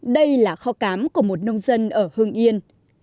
đây là kho cám của một nông dân ở hương yên